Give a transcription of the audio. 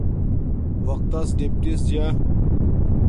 وقت تس ڈپٹس جا